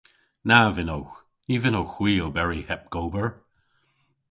Na vynnowgh. Ny vynnowgh hwi oberi heb gober.